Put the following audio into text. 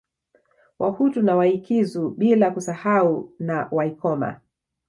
Wahutu na Waikizu bila kusahau na Waikoma